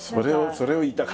それを言いたかった。